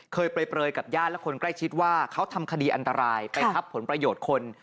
เปลยกับญาติและคนใกล้ชิดว่าเขาทำคดีอันตรายไปทับผลประโยชน์คน